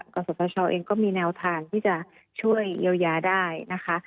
ศตชเองก็มีแนวทางที่จะช่วยเยียวยาได้นะคะ